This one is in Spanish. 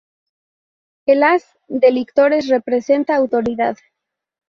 El haz de lictores representa autoridad.